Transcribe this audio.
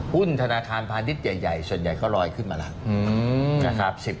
หุ้นธนาคารพาณิชย์ใหญ่ส่วนใหญ่ก็ลอยขึ้นมาแล้ว